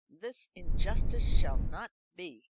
This injustice shall not be."